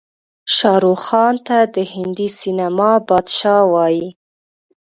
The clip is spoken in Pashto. شاروخ خان ته د هندي سينما بادشاه وايې.